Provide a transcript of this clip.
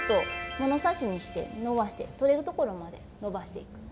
物差しにしてのばしてとれるところまでのばしていく。